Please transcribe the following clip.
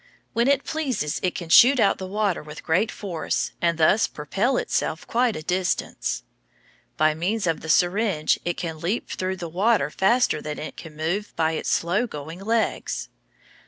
When it pleases it can shoot out the water with great force, and thus propel itself quite a distance. By means of the syringe it can leap through the water faster than it can move by its slow going legs.